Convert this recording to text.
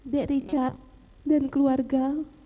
dek rica dan keluarga